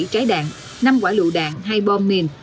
một mươi bảy trái đạn năm quả lụ đạn hai bom mìn